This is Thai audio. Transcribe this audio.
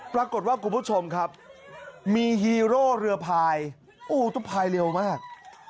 ปรากฏว่าคุณผู้ชมครับมีฮีโร่เรือพายโอ้โหต้องพายเร็วมาก